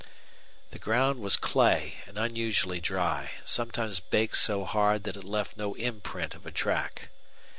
The ground was clay and unusually dry, sometimes baked so hard that it left no imprint of a track.